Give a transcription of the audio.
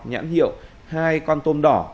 nhãn hiệu hai con tôm đỏ